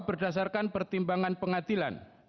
berdasarkan pertimbangan pengadilan